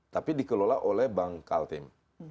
tapi dikelola oleh bank kaltim